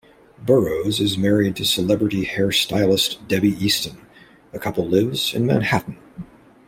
Burrows is married to celebrity hairstylist Debbie Easton; the couple lives in Manhattan.